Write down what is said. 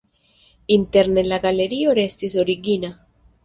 Interne la galerio restis origina.